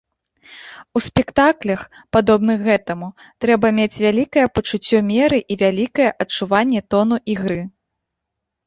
У спектаклях, падобных гэтаму, трэба мець вялікае пачуццё меры і вялікае адчуванне тону ігры.